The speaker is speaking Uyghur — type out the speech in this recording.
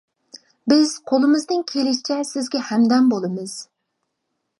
بىز قولىمىزدىن كېلىشىچە سىزگە ھەمدەم بولىمىز.